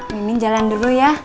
min jalan dulu ya